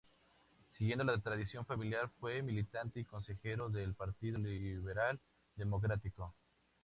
Siguiendo la tradición familiar fue militante y consejero del Partido Liberal Democrático.